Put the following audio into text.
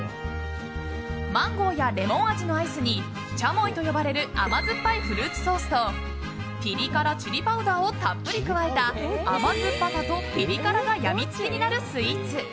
マンゴーやレモン味のアイスにチャモイと呼ばれる甘酸っぱいフルーツソースとピリ辛チリパウダーをたっぷり加えた甘酸っぱさとピリ辛が病み付きになるスイーツ。